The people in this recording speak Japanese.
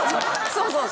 そうそう。